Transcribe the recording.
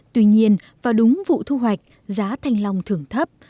tuy nhiên vào đúng vụ thu hoạch giá thanh lòng thưởng thấp